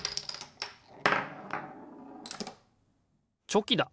チョキだ！